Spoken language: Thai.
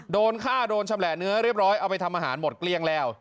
โดนฆ่าโดนชำแหละเนื้อเรียบร้อยเอาไปทำอาหารหมดเกลี้ยงแล้ว